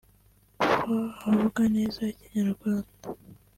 kuba avuga neza Ikinyarwanda